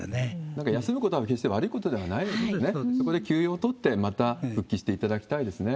なんか休むことは決して悪いことではないですのでね、ここで休養を取って、また復帰していただきたいですね。